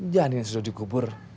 jangan yang sudah dikubur